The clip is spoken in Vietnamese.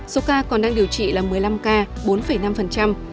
số ca còn đang điều trị là một mươi năm ca bốn năm